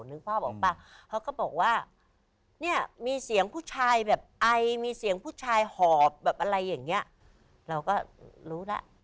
นึกภาพออกป่ะเขาก็บอกว่าเนี่ยมีเสียงผู้ชายแบบไอมีเสียงผู้ชายหอบแบบอะไรอย่างเงี้ยเราก็รู้แล้ว